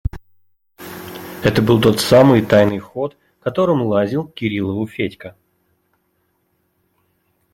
Это был тот самый тайный ход, которым лазил к Кириллову Федька.